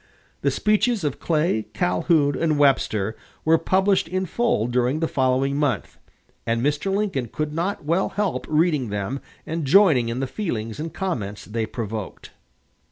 The speeches of Clay, Calhoun, and Webster were published in full during the following month, and Mr. Lincoln could not well help reading them and joining in the feelings and comments they provoked.